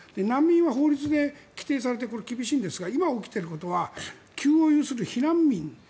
難民は法律で規定されて厳しいんですが今起きていることは急を要する避難民。